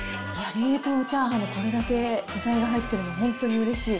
冷凍チャーハンにこれだけ具材が入ってるの、本当にうれしい。